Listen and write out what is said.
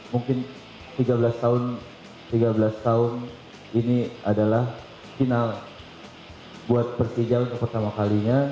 mungkin tiga belas tahun ini adalah final buat persija untuk pertama kalinya